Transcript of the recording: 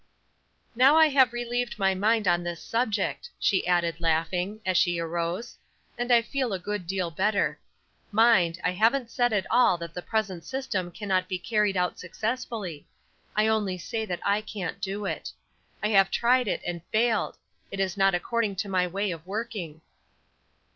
"Now I have relieved my mind on this subject," she added, laughing, as she arose, "and I feel a good deal better. Mind, I haven't said at all that the present system cannot be carried out successfully; I only say that I can't do it. I have tried it and failed; it is not according to my way of working."